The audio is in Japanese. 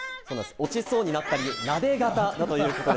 落ちそうになった理由は、なで肩ということで。